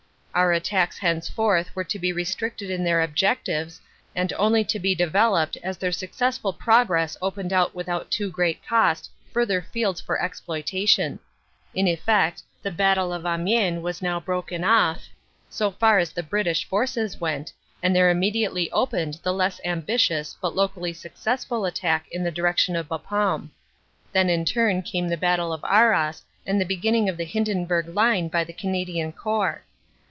Our attacks henceforth were to be restricted in their objectives and only to be devel oped as their successful progress opened out without too great cost further fields for exploitation, In effect, the Battle of Amiens was now broken off, so far as the British forces went, and there immediately opened the less ambitious but locally successful attack in the direction of Bapaume. Then in turn came the Battle of Arras and the breaking of the Hinden burg Line by the Canadian Corps.